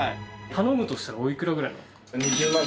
頼むとしたらおいくらぐらいなんですか？